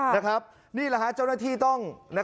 นี่แหละฮะเจ้าหน้าที่ต้อง